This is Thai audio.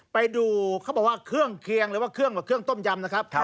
ไปดูเขาบอกว่าเครื่องเคียงหรือว่าเครื่องแบบเครื่องต้มยำนะครับ